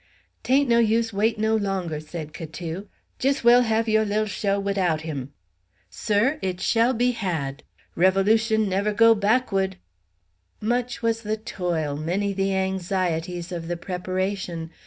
"'Tain't no use wait no longer," said Catou; "jis well have yo' lil show widout him." "Sir, it shall be had! Revolution never go backwood!" Much was the toil, many the anxieties, of the preparation.